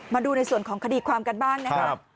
มาดูในส่วนของคดีความกันบ้างนะครับ